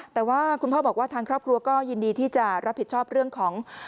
แต่ว่าคุณพ่อบอกว่าทางครอบครัวก็ยินดีที่จะรับผิดชอบเรื่องของ